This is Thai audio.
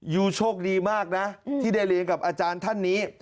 ยูโชคดีมากนะที่ได้เรียนกับอาจารย์ท่านนี้